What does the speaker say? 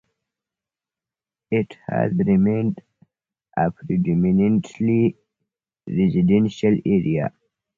It has remained a predominantly residential area.